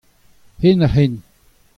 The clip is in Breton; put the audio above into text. Henn-ha-henn.